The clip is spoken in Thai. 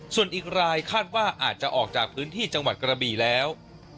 ส่วนอีกรายคาดว่าอาจจะออกจากพื้นที่จังหวัดกระบีแล้ว